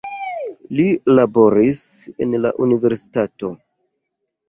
Li laboris en la universitato.